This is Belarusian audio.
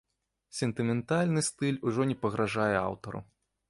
Сентыментальны стыль ужо не пагражае аўтару.